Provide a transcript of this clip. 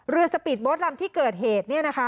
สปีดโบ๊ทลำที่เกิดเหตุ